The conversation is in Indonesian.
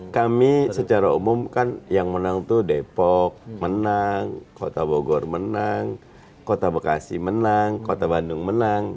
kami secara umum kan yang menang itu depok menang kota bogor menang kota bekasi menang kota bandung menang